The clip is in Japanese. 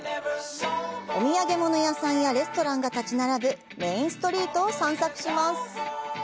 お土産物屋さんやレストランが立ち並ぶメインストリートを散策します。